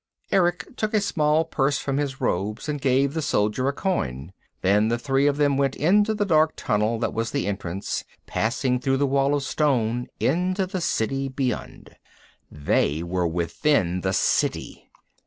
Erick took a small purse from his robes and gave the soldier a coin. Then the three of them went into the dark tunnel that was the entrance, passing through the wall of stone, into the City beyond. They were within the City!